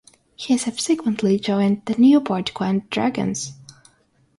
He subsequently joined the Newport Gwent Dragons.